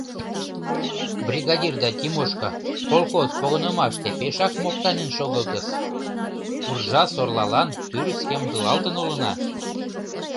Бригадирда Тимошка колхоз погынымашыште пешак моктанен шогылтыс: «Уржа-сорлалан тӱрыс ямдылалтын улына!